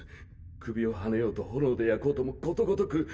首をはねようと炎で焼こうともことごとく。